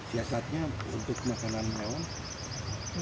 siasatnya untuk makanan hewan